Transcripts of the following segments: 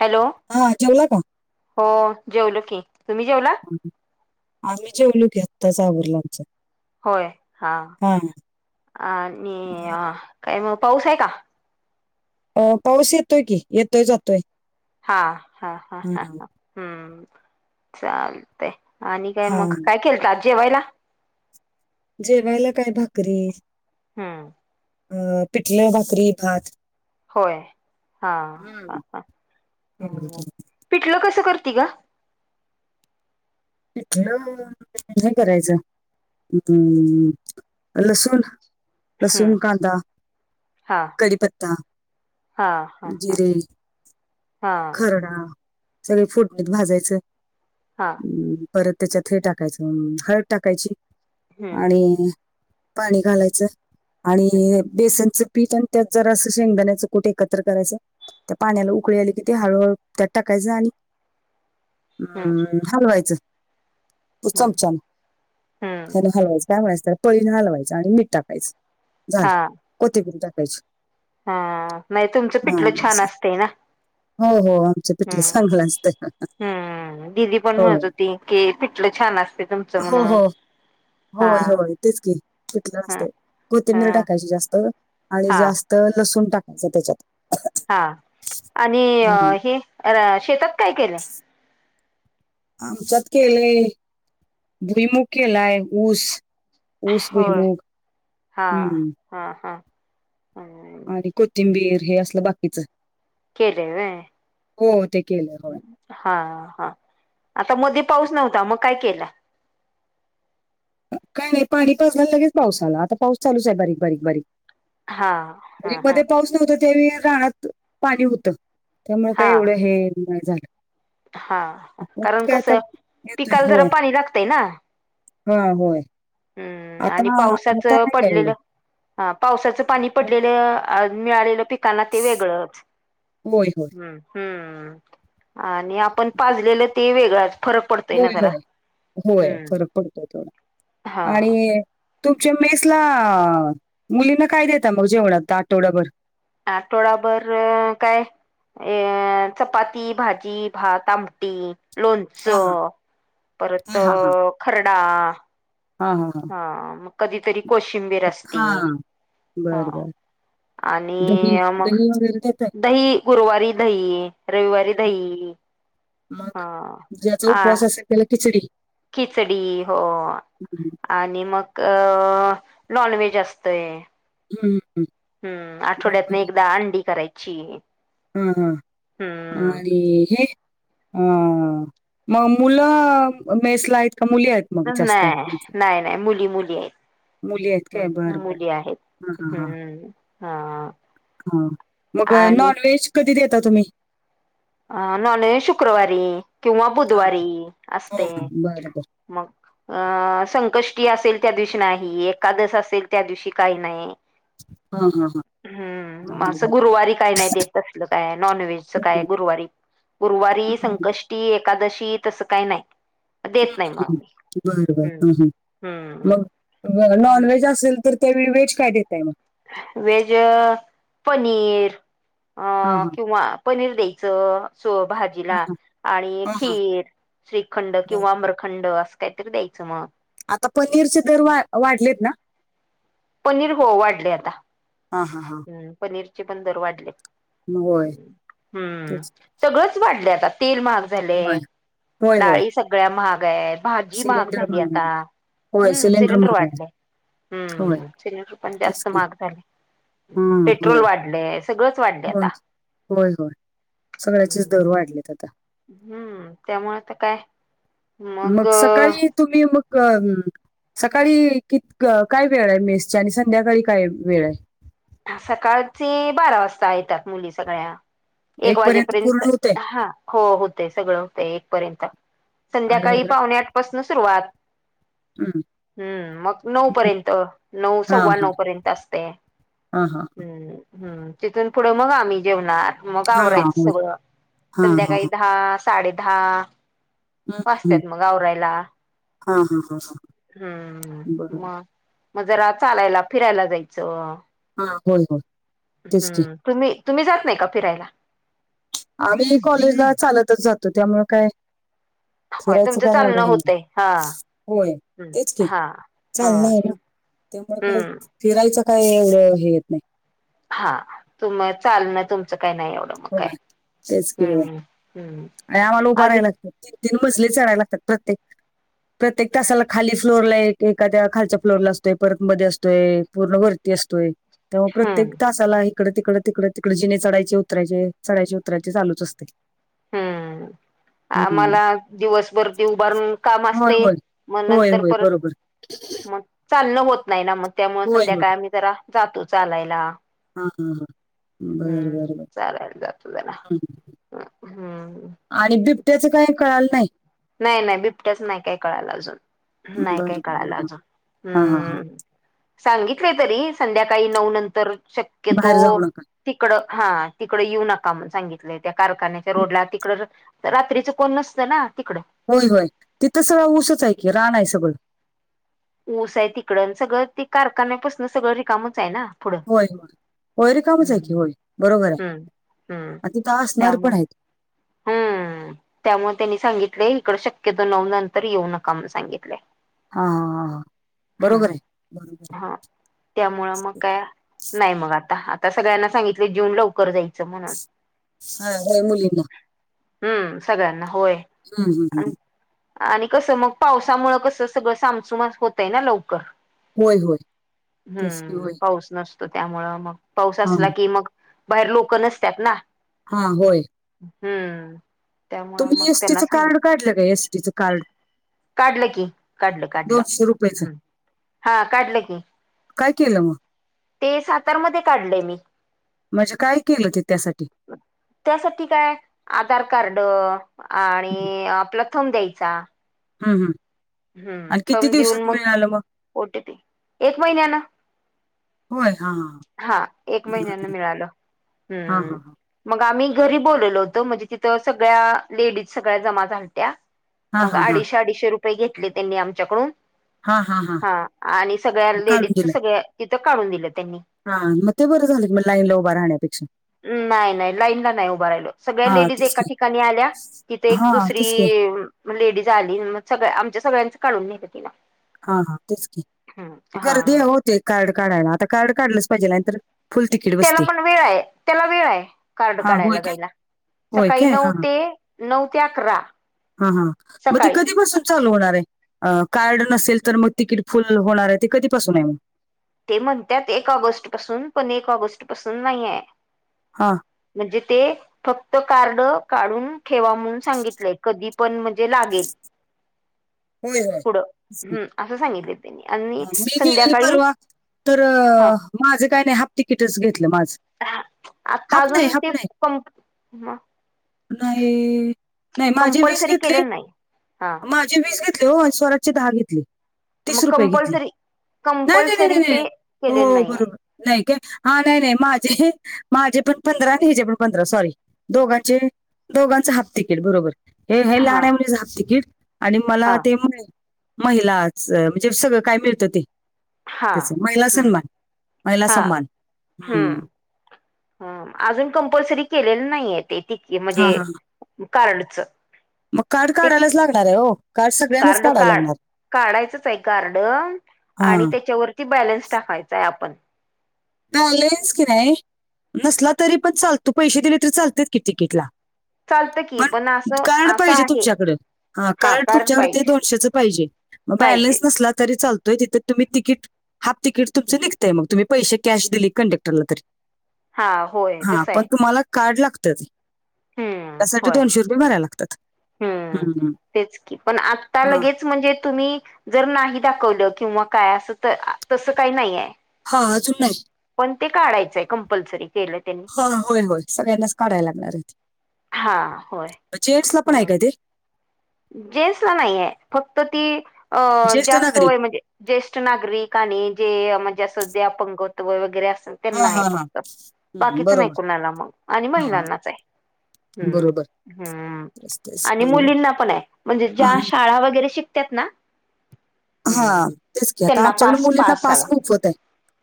Hello. हा जेवला का? हो जेऊल की तुम्ही जेवला. आम्ही जेवलू घेताचबुलाच. होय हा आणि काय मग पाऊस आहे का अ पाऊस येतोय की येतोय जातोय हा हा हा हा ह हम्म चाल ते आणि काय हा मग काय केलत आज जेवायला जेवायला काय भाकरी हम्म अ पिठलं भाकरी भात होय हा हं, ह ह केलं होतं. पिटलं कसं करती ग पिठलं [unintelligible] करायचं हम् लसुन हम्म लसूण कांदा हा कडीपत्ता हा हा हा जिरे हा खरडा सगळ फोडणीत भाजायचं हा हम् परत त्याच्यात हे टाकायचं हळद टाकायची हम्म आणि पाणी घालायचं हम्म आणि बेसनचं पीठ आणि त्यात जरा असं शेंगदाण्याचं कुठ एकत्र करायचं त्या पाण्याला उकळी आले कि ते हळूहळू त्यात टाकायचं आणि हम्म हम् हलवायचं हम्म हम्म चमच्यान हम्म चमच्यान हम्म. हलवायचं त्यामुळेच त्या पळीने हलवायचं आणि मीठ टाकायचं झालं हा कोथिंबीर टाकायची हा तुमचं हा पिठलं छान असं असत ना हो हो आमच पिठले हम्म चांगलं असतय हम्म दिदी पण म्हणत होती की पीटलं छान असतय तुमचं हो म्हणून हो हा होय होय तेच की पिठलं ह असतय कोथिंबीर ह टाकायची जास्त आणि हा जास्त तर लसूून टाकायचं त्याच्यात हा आणि हम्म. हे शेतात काय केलंय आमच्यात केलंय भूईमुग केलाय ऊस ऊस होय भूईमुग हा हा हा हम् आणि कोथिंबीर हे असलं बाकीच केलय व्हय हो ते केलं होय हा हा आता मध्ये पाऊस नव्हता मग काय केलं काय नाही पाणी पाजलं आणि लगेच पाऊस आला आता पाऊस चालूच आहे बारीक बारीक बारीक हा म्हणजे हा हा मध्ये पाऊस नव्हता त्यावेळी रानात पाणी होत त्यामुळे काय हा एवढं हे नाय झालं हा परत कारण काय आता कसंय पिकाला जरा पाणी लागतंय ना हा होय हम्म आता आणि आता पावसाचं नाही काय एवढं. पडलेलं हा पावसाचं पाणी पडलेलं मिळालेलं पिक काना ते वेगळंच होय, होय. हम् हम्म आणि आपण पाजलेलं ते वेगळ असत होय होय होय फरक पडतोय थोडा हा आणि तुमच्या मेसला मुलींना काय देता मग, जेवणात आठवडाभर? आठवडाभर काय अ चपाती, भाजी, भात, आमटी. हां, हां. लोणचं, परत हां, अ हां, हां. खरडा. हां, हां, हां. हा, मग कधीतरी कोशिंबीर असती हां. हा बरं, बरं. दही आणि मग दही वगैरे देताय? दही गुरुवारी दही, रविवारी दही मग, हा ज्याच आ उपवास असेल त्याला खिचडी खिचडी हो हम्म, आणि मग अ नॉनव्हेज असतय. हम हम. हम्म, आठवड्यातन एकदा अंडी करायची हम हम, हम्म आणि हे हम, मग मुलं मेसला आहेत का मुली आहेत? मग जास्त? नाय मेसला? नाय नाय, मुली मुली ये मुली आहेत काय? हम! बरं, बरं. मुली आहेत. हां, हां, हां, हम्म, हा. हां. मग आणि नॉनव्हेज कधी देता तुम्ही? अ नॉनज शुक्रवारी, किंवा हां, बुधवारी हां, हां. असतय. बरं, बरं. मग अं संकष्टी असेल त्या दिवशी नाही, एकादश असेल त्या दिवशी काही नाही. हां, हां, हां. हम्म! बरं, असं बरं. गुरुवारी काय नाही देत तसल काय, नॉनव्हेजच हं, काय. हं. गुरुवारी हं, गुरुवारी हं. संकष्टी, एकादशी, तसं काय नाय. हम्म! बर बर, हम, हम्म मग हम्म नॉनव्हेज असेल तर त्या वेळी व्हेज काय देताय मग? व्हेज, पनीर हां, अं हां. किंवा पनीर द्यायचं, हां, भाजीला, हां. आणि हां, हां. खीर श्रीखंड बरं. किंवा अम्रखंड असं काहीतरी द्यायचं मग. आता पनीरचे दर वा वाढलेत ना? पनीर हो, वाढले आता. हां, हां, हां. हम्, पनीरचे पण दर वाढलेत. होय, हम्म! तेच. सगळंच वाढलं आता, तेल महाग झाले, होय, होय, होय. डाळी सगळ्या महाग आहेत. भाजी महाग सिलेंडर झाली आता, आहे. होय, हम्म! सिलेंडर महाग आहे. वाढलेय. होय, हम्म. सिलेंडर पण तेच जास्त की. महाग झाले, हां, पेट्रोल होय. वाढलेत. होय, होय होय, सगळ्याचेच दर वाढलेत आता. हम्म! त्यामुळे आता काय मग सकाळी तुम्ही मग अ सकाळी कित काय वेळ आहे मेसची, आणि संध्याकाळी काय वेळ आहे? सकाळची बारा वाजता येतात मुली सगळ्या. एक पर्यंत वाजेपर्यंत, पूर्ण होतंय हा, हो, होतय सगळं होतय, एक पर्यंत. आणि संध्याकाळी र पावणेआठ पाासून सुरुवात. हं, हम्म! मग नऊ हं. पर्यंत, नऊ सव्वा नऊ पर्यंत असतय. हा हा. हम्म! तिथून पुढ मग आम्ही जेवणार. मग हां, आवरायचं होय. सगळं, हां, हां, संध्याकाळी हां. दहा साडे दहा वाजत्यात मग आवरायला. हा हा हा ह. हम्म मग म जरा चालायला फिरायला जायचं. हा बोल मग हं तुम्ही तुम्ही जात नाही का फिरायला? आम्ही कॉलेजला चालतच जातो त्यामुळ काय. होय फिरायचं तुमचं काय एवढं चालणं हे नाही होतय हा होय तेच क हा हा चांगल नाही त्यामुळे काही हम्म फिरायचं काही एवढं हे येत नाही. हा तुम चालणं तुमचं काही नाही एवढं मग होय काय तेच की होय हं हं आणि आम्हाला उभं राहायला लागतात तीन, तीन मजले चढायला लागतात प्रत्येक प्रत्येक तासाला खाली फ्लोरला एक एखाद्या खालच्या फ्लोरला असतोय. परत मध्ये असतोय. पूर्ण वरती असतोय त्यामुळे प्रत्येक हम्म तासाला तिकडं तिकडं तिकड तिकडे जिने चडायचे उतरायचे चडायचे उतरायचे चालूच असते. हं हम्म आम्हाला दिवसभर ते उभारून काम होय असते. होय मग होय नंतर होय परत बरोबर मग चालणं होत नाही ना मग त्यामुळे होय होय संध्याकाळ आम्ही जरा जातो चालायला हा हा हा बर हं बर बर चलायला आपल्याला हम्म. हं आणि बिबट्याच काही कळालं नाही. नाही नाही बिबट्याच नाही काही कळायला अजून नाही बर काही बर कळायला हा अजून हां, हां, हां. हं सांगितल. तरी संध्याकाळी नऊ नंतर शक्यतो बाहेर जाऊ नका. तिकडं हा तिकडं येऊ नका म्हण सांगितलंय त्या कारखान्याच्या रोडला तिकडं रात्रीच कोण नसतं ना तिकडं होय होय तिथं सगळं ऊसच आहे, की रान आहे सगळं. ऊस आहे तिकड सगळं ते कारखान्यापासून सगळं रिकामच आहे ना. पुढं होय होय होय रिकामीच आहे की हम्म होय बरोबर आहे. हम्म हम्म आ तिथ असणार पण त्यामुळे आहेत. हम्म त्यामुळे त्यांनी सांगितलेय इकडे शक्यतो नऊ नंतर येऊ नका म्हणुन सांगितलंय हा हा हा ह बरोबर आहे बरोबर आहे. त्यामुं मग काय नाही मग आता आता सगळ्यांना सांगितले जेवुन लवकर जायचं म्हणून हा होय मुलींना हं सगळ्यांनाच होय हं हं आणि हं आणि कसं मग पावसामुंळ कसं सगळं सामसूम होतय ना लवकर होय, होय. तेच की हं होय. पाऊस नसत तो त्यामुळं मग पाऊस हां, असला की मग बाहेर लोक नसतात ना हा होय. हं तुम्ही एसटीचं कार्ड काढलं का? एसटीचं कार्ड? काढलं की, काढलं काढलं हं हा काढलं की काय केलं मग? ते सातारमध्ये काढलय मी. म्हणजे काय केलं ते त्यासाठी? त्यासाठी काय आधार कार्ड हं, आणि आपलं थम द्यायचा. हं हं हं आणि किती थम्ब देऊन दिवसात मग मिळालं ओटीपी येतो. एक महिन्यान होय हा हं हा एक महिन्यान मिळालं हां, हं हां, हां. मग आम्ही घरी बोलवलेल होतो, म्हणजे तिथं सगळ्या लेडीज सगळ्या जमा झाल्या होत्या. हां, मग हां, हां. अडीचशे, अडीचशे रुपये घेतले त्यांनी आमच्याकडून हां, हां, हां. हा आणि सगळ्या काढून लेडीजच दिलं. सगळ्या तिथं काढून दिलं त्यांनी हा मग ते बरं झालं लाईनला उभं राहण्यापेक्षा नाही नाही लाईन ला नाही उभं राहिलो. सगळ्या हा लेडीज तेच एका की ठिकाणी आल्या. तिथ एक हा तेच की दुसरी लेडीज आली. मग सगळ आमच्या सगळ्यांचं काढून नेल तिन हा हा तेच गर्दी होते कार्ड काढायला आता कार्ड काढलंच पाहिजे नाहीतर फुल तिकीट त्याला बसते पण वेळ आहे त्याला वेळ आहे कार्ड हा होय काढायला काय जायला होय सकाळी काय नऊ हा हा. ते नऊ ते अकरा हा हा मग ते सकाळी कधीपासून चालू होणार आहे कार्ड नसेल तर मग तिकीट फुल होणार आहे ते कधीपासून आहे मग ते म्हणतात एक ऑगस्ट पासून पण एक ऑगस्ट पासून नाहीय हा म्हणजे ते फक्त कार्ड काढून ठेवा म्हणून सांगितलंय कधी पण म्हणजे लागेल होय होय पुढं तेच की. हं असं सांगितलं त्यांनी अ, आणि मी गेलेली संध्याकाळी परवा तर हा माझं काय नाही हाफ तिकीटच घेतलं माझं आता हाफ नाही अजून हाफ ते नाही क नाही नाही माझे वीस कंपल्सरी घेतली केलेलं नाही हा माझे वीस घेत ते श्वरराची दहा घेतली मग तीस रुपये घेतले कंपल्सरी नाही नाही नाही कंपल्सरी नाही नाही ते केलेलं हो नाही आहे बरोबर नाही का हा नाही नाही माझे माझे पण पंधरा आणि हिचेे पण पंधरा सॉरी दोघांचे दोघांच हाफ तिकेट बरोबर हे हे हा लहण्यामुळेात तिकीट आणि मला हा ते महिलाच म्हणजे सगळं काय मिळतं ते हा त्याच महिला हम्म सन्मान महिला सन्मान हम्म ह अजून कंपल्सरी केलेली नाहीय ते त हा म्हणजे हा हा. कार्ड च मग काड काढायलाच लागणार आहे हो सगळ्यांनाच कार्ड काढायला का लागणार काढायचंच आहे कारार्ड हा आणि त्याच्यावर ती बॅलन्स टाकायचाय आपण बॅलेन्स की नाही नसला तरी पण चालतो पैसे दिले तरी चालते की तिकीटला चालतं की पण असं कार्ड असं पाहिजे आहे तुमच्याकड हा कार्ड तुमच्याकडे ते दोनशेच पाहिजे ग पाहिजे बॅलन्स नसला तरी चालत त तिथ तुम्ही तिकीट हाफ तिकीट तुमचं निघताय मग तुम्ही पैसे कॅश दिले कंडक्टरला तरी हा होय हा तसं पण आहे तुम्हाला कार्ड लागत हम्म त्यासाठी होय दोनशे बऱ्या लागतात हम्म तेच की पण आता हा. लगेच म्हणजे तुम्ही जर नाही दाखवलं किंवा काय असं तसं काही नाहीय हा अजून नाही कंपल्सरी केलं त्यांनी हा होय होय सगळ्यांनाच काढायला लागणार आहे हा होय जैंड्स ला पण आहे का ते जेंट्स ला नाहीे फक्त ती अ ज्येष्ठ जास्त नागरिक वय म्हणजे ज्येष्ठ नागरिक आणि जे म्हणजेअध्यायअपंगत्व वगैरे असे हा त्यांना हा आहे हा फक्त हम्म, बाकीच नाही बरोबर कुणाला मग आणि हा हा. महिलांनाच आहे बरोबर हम्म हम्म तेच तेच आणि बरोबर मुलींना ण म्हणजे हा ज्या शाळा वगैरे शिकतात ना हम्म हा तेच की आता त्यांना आमच्याकड पास मुलींना पास आला पासबुक होत आहे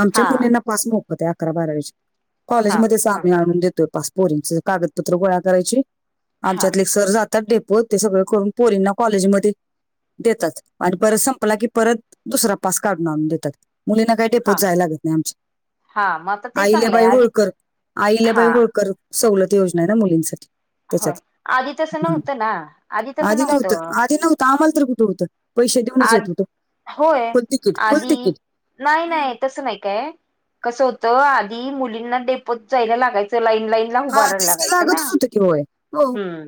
आमच्या हा मुलींना पास मोकत आहे अकरा बारावीज हा कॉलेजमध्येध्ये हा आम्ही आणून देतो पोरिंचकागदपत्र गो कराय हा आमच्यात सरात डेपो ते सगळं करून पोरींना कॉलेजमध्येध्ये देतात आणि पर संपला की मग परत कढ़ूं न देता ता टेपत हा जाय लागत नाही हा मग आता आमच्या ते आईल्या चांगलं आहे बाई आधी होळकर आईल्या बाई हा होळकर सवलत योजना आहे ना मुलींसाठी होय त्याच्यात आधी तसं हम्म नव्हतं ना तसं आधी नव्हतं आधी नव्हत आम्हाला तर कुठे होतं पैसे देऊच आज येत होते होय आधी नाही हं. नाही तसं नाही काय कसं होतं आधी मुलींना डेपोत जायला लागायचं लाईन लाईन ला हा उभारायला तेच की लागयचं ना लागतच होतं की होय हो हम्म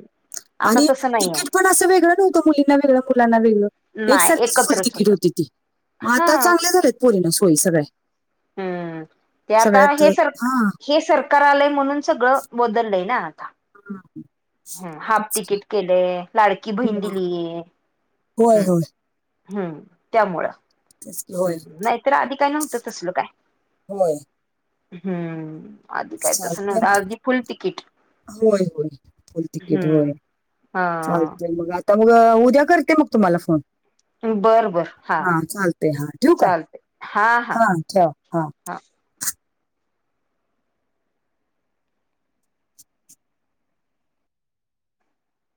आता तसं नाहीये असंेगळं नवतं मुलीं वगळं मुलां वेळं नाही एकसारखीच फुल एकत्रच तिकीट होतात होती ती हा आता चांगले झालेत पोरी ना सोयी सगळ्या हम्म ते आता सगळ्यात हे अं, सर हा हे सरकार आलंय म्हणून सगळं बदललंय ना आता हा हम हाफ तेच की तिकीट केलेय लाडकी बहीण हो, दिलीय होय हम्म होय हम्म त्यामुळं ते हम् नाही तरर आधी काय नव्हतं तसल काय हम्म आधी काय तसं ्या नव्हतं आधी फुल तिकीट होय होय फल तिकीट होय हम्म हा चालत मग आता मग उद्या करते मग तुम्हाला फोन बर बर हा चालते हा ठूक आहे हा ठ हा हा